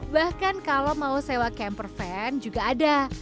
bahkan kalau mau sewa camper van juga ada